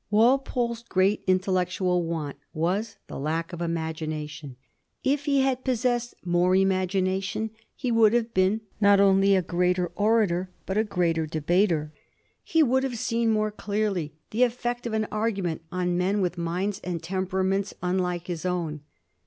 Walpole's great intellectual want was the lack of imagination. If he had possessed more imagina tion, be would have been not only a greater orator, but a greater debater. He would have seen more clearly the effect of an argument on men with minds and tempera ments unlike bis own.